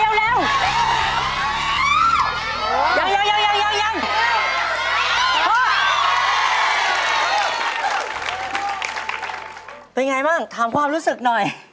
เป็นไงบ้างถามความรู้สึกหน่อย